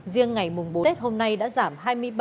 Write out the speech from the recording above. riêng ngày mùng bốn tết hôm nay đã giảm hai mươi ba